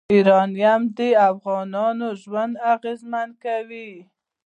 یورانیم د افغانانو ژوند اغېزمن کوي.